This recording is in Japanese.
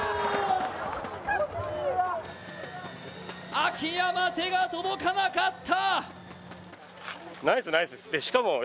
秋山、手が届かなかった。